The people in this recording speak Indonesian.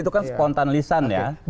itu kan spontanlisan ya